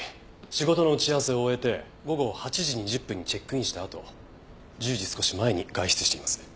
仕事の打ち合わせを終えて午後８時２０分にチェックインしたあと１０時少し前に外出しています。